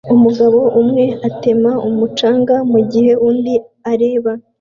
Umugabo umwe atema umucanga mugihe undi areba